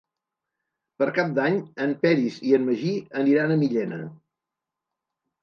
Per Cap d'Any en Peris i en Magí aniran a Millena.